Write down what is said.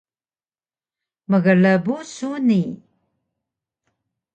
Mgrbu suni